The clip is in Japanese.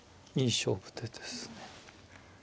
いい勝負手ですね。